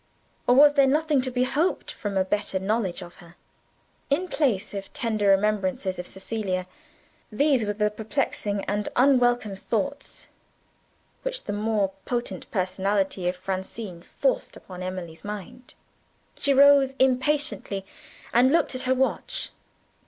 Or was there nothing to be hoped from a better knowledge of her? In place of tender remembrances of Cecilia, these were the perplexing and unwelcome thoughts which the more potent personality of Francine forced upon Emily's mind. She rose impatiently, and looked at her watch.